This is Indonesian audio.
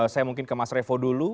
saya mungkin ke mas revo dulu